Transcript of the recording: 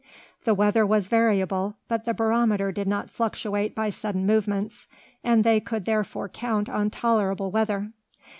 The weather was variable, but the barometer did not fluctuate by sudden movements, and they could therefore count on tolerable weather.